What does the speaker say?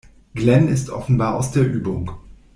Glenn ist offenbar aus der Übung.